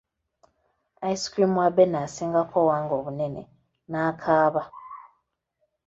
Ice cream wa Abena asingako owange obunene, n'akaaba.